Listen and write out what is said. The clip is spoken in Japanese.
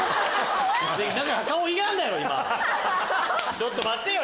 ちょっと待ってよ！